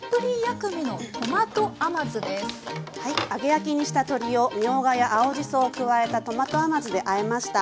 揚げ焼きにした鶏をみょうがや青じそを加えたトマト甘酢であえました。